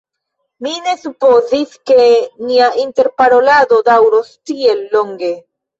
Mi ne supozis, ke nia interparolado daŭros tiel longe.